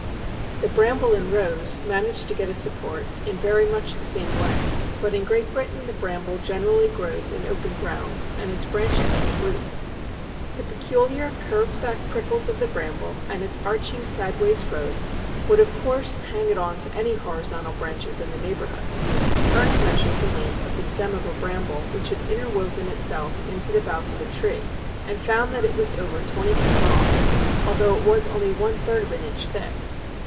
The Bramble and Rose manage to get a support in very much the same way, but in Great Britain the Bramble generally grows in open ground and its branches take root. The peculiar, curved back prickles of the Bramble and its arching sideways growth would of course hang it on to any horizontal branches in the neighbourhood. Kerner measured the length of the stem of a Bramble which had interwoven itself into the boughs of a tree, and found that it was over twenty feet long, although it was only one third of an inch thick.